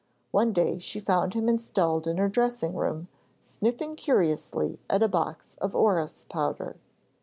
One day she found him installed in her dressing room, sniffing curiously at a box of oris powder.